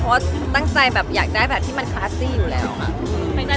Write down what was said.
เพราะตั้งใจแบบอยากได้แบบที่มันคลาสซี่อยู่แล้วค่ะ